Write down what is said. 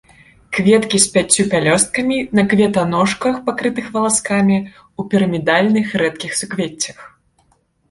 Кветкі з пяццю пялёсткамі, на кветаножках, пакрытых валаскамі, у пірамідальных рэдкіх суквеццях.